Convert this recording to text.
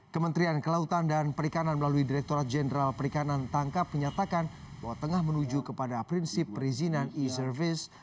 kementerian kelautan dan perikanan melalui direkturat jenderal perikanan tangkap menyatakan bahwa tengah menuju kepada prinsip perizinan e service